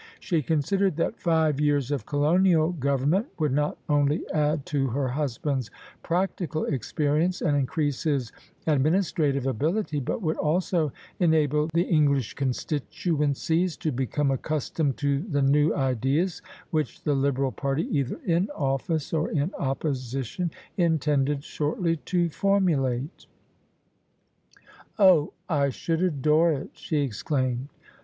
She considered that five years of Colonial Government would not only add to her husband's practical experience and increase his adminis trative ability, but would also enable the English constitu encies to become accustomed to the new ideas which the Liberal party — either in office or in opposition — intended shortly to formulate. THE SUBJECTION OF ISABEL CARNABY " Oh ! I should adore it/' she exclaimed.